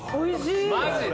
マジで？